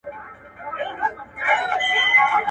د هندوستان وېشیا او د لکونو ځای لرونکو